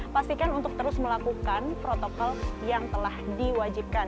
pastikan untuk terus melakukan protokol yang telah diwajibkan